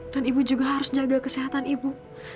dan ibu juga harus jaga kesehatan ibu